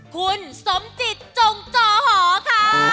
คุณสมจิตจงจอหอค่ะ